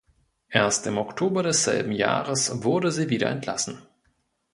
Erst im Oktober desselben Jahres wurde sie wieder entlassen.